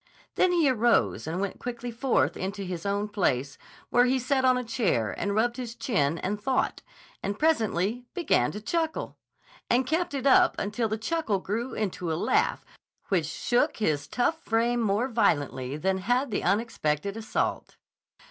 Then he arose and went quietly forth into his own place, where he sat on a chair and rubbed his chin and thought, and presently began to chuckle, and kept it up until the chuckle grew into a laugh which shook his tough frame more violently than had the unexpected assault.